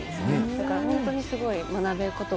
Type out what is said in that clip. だから本当にすごい学べ